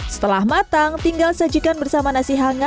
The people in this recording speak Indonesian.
setelah matang tinggal sajikan bersama nasi hangat